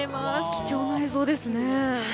貴重な映像ですね。